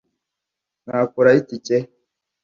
nakura he itike